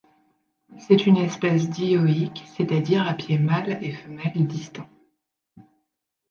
C'est une espèce dioïque, c'est-à-dire à pieds mâles et femelles distincts.